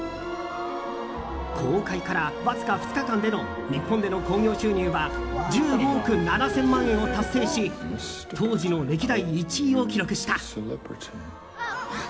公開からわずか２日間での日本での興行収入は１５億７０００万円を達成し当時の歴代１位を記録した。